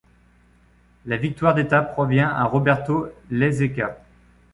La victoire d'étape revient à Roberto Laiseka.